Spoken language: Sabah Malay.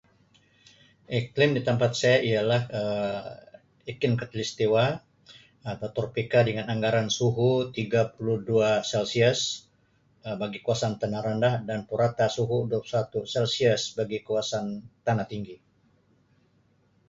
Iklim di tempat saya ialah Um iklim khatulistiwa atau tropika dengan anggaran suhu tiga puluh dua celsius Um bagi kawasan tanah rendah dan purata suhu dua puluh satu celsius bagi kawasan tanah tinggi.